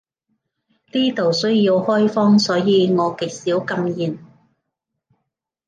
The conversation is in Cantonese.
呢度需要開荒，所以我極少禁言